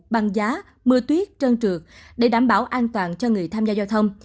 băng giá mưa tuyết trơn trượt để đảm bảo an toàn cho người tham gia giao thông